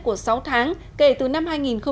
của sáu tháng kể từ năm hai nghìn một mươi